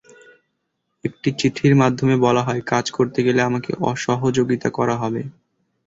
একটি চিঠির মাধ্যমে বলা হয়, কাজ করতে গেলে আমাকে অসহযোগিতা করা হবে।